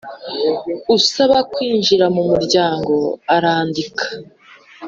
Usaba kwinjira mu muryango arandika